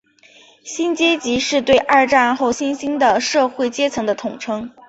新阶级是对二战后新兴的社会阶层的统称。